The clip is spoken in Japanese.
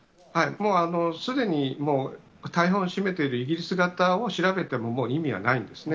もうすでに、もう大半を占めているイギリス型を調べてももう意味はないんですね。